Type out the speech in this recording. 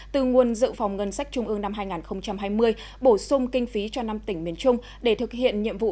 từ nguồn dự phòng ngân sách trung ương năm hai nghìn hai mươi bổ sung kinh phí cho năm tỉnh miền trung để thực hiện nhiệm vụ